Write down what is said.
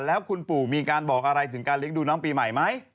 แล้วคุณปู่มีการบอกอะไรถึงการเลี้ยงดูน้องปีใหม่ไหม